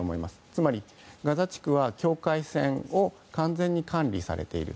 つまり、ガザ地区は境界線を完全に管理されている。